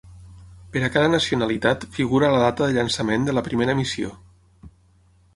Per a cada nacionalitat figura la data de llançament de la primera missió.